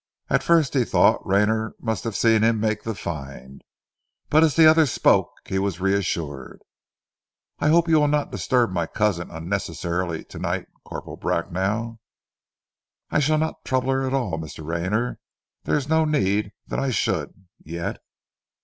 At first he thought Rayner must have seen him make the find; but as the other spoke, was reassured. "I hope you will not disturb my cousin unnecessarily tonight, Corporal Bracknell." "I shall not trouble her at all, Mr Rayner. There is no need that I should yet."